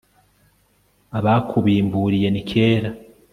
abakubimburiye ni kera